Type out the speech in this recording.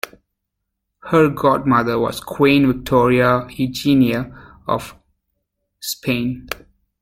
Her godmother was Queen Victoria Eugenia of Spain.